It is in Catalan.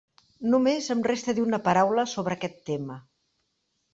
Només em resta dir una paraula sobre aquest tema.